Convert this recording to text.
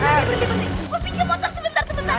beritahu gue gue pinjam motor sebentar sebentar